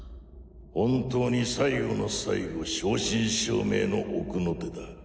本当に最後の最期正真正銘の奥の手だ。